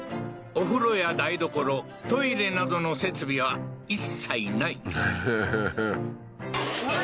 お風呂や台所トイレなどの設備は一切無いははは